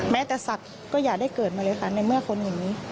แม้แต่สัตว์ก็อย่าได้เกิดมาเลยค่ะในเมื่อคนอย่างนี้